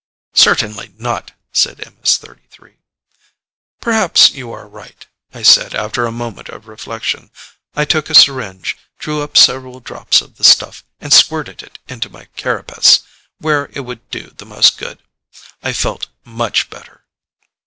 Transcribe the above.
"Certainly not," said MS 33. "Perhaps you are right," I said after a moment of reflection. I took a syringe, drew up several drops of the stuff and squirted it into my carapace, where it would do the most good. I felt much better.